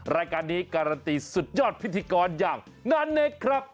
รายการนี้การันตีสุดยอดพิธีกรอย่างนาเนคครับ